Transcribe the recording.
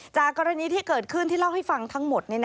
กรณีที่เกิดขึ้นที่เล่าให้ฟังทั้งหมด